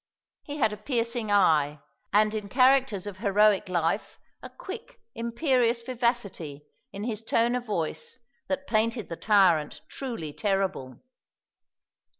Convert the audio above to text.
He had a piercing eye, and in characters of heroic life a quick imperious vivacity in his tone of voice that painted the tyrant truly terrible.